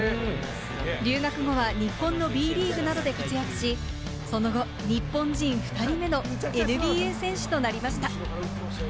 留学後は日本のＢリーグなどで活躍し、その後、日本人２人目のＮＢＡ選手となりました。